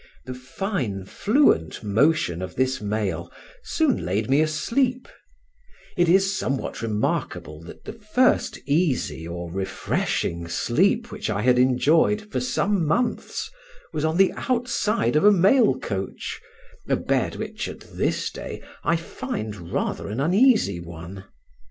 The fine fluent motion of this mail soon laid me asleep: it is somewhat remarkable that the first easy or refreshing sleep which I had enjoyed for some months, was on the outside of a mail coach—a bed which at this day I find rather an uneasy one.